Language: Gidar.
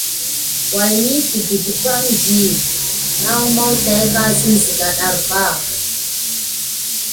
Way mi kədə di əŋgənən ninek vandi? Maw aka ənani.